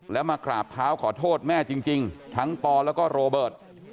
แล้วมากราบเท้าขอโทษแม่จริงทั้งปอแล้วก็โรเบิร์ต